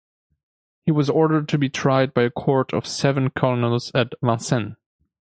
He was ordered to be tried by a court of seven colonels at Vincennes.